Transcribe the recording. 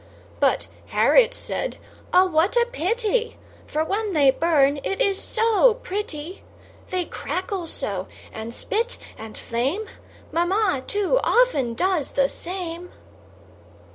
But Harriet said: "Oh, what a pity! For, when they burn, it is so pretty; They crackle so, and spit, and flame: Mamma, too, often does the same."